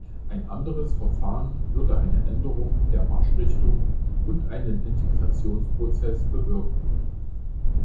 Ein anderes Verfahren würde eine Änderung der Marschrichtung und einen Integrationsprozess bewirken.